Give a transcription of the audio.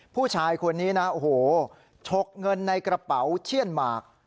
ผู้ชายคนนี้นะโอ้โหชกเงินในกระเป๋าเชื่อนหมาก